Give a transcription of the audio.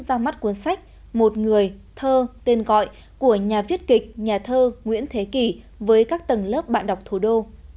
ra mắt cuốn sách một người thơ tên gọi của nhà viết kịch nhà thơ nguyễn thế kỳ với các tầng lớp bạn đọc thủ đô